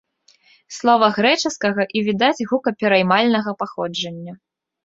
Слова грэчаскага і відаць, гукапераймальнага паходжання.